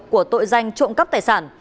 của tội danh trộm cắp tài sản